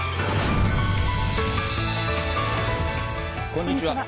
こんにちは。